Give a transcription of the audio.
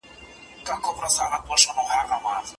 کتاب د انسان لپاره يو وفادار ملګری دی چي هېڅکله نه ستړي کيږي.